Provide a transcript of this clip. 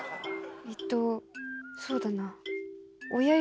えっとそうだな。